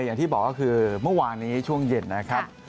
อย่างที่บอกก็คือเมื่อวานนี้ช่วงเย็นนะครับ